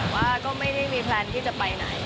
ว่าก็ไม่ได้มีแพลนที่จะไปไหน